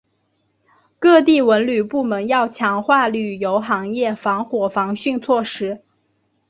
各地文旅部门要强化旅游行业防火防汛措施